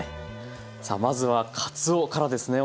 さあまずはかつおからですね。